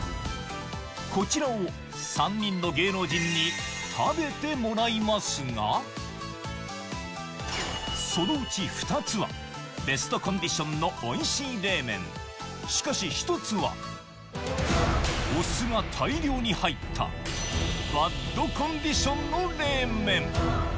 こちらを３人の芸能人に食べてもらいますがそのうち２つは、ベストコンディションのおいしい冷麺、しかし１つは、お酢が大量に入ったバッドコンディションの冷麺。